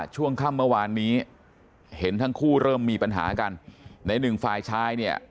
ช่วงค่ำเมื่อวานนี้เห็นทั้งคู่เริ่มมีปัญหากันในหนึ่งฝ่ายชายเนี่ย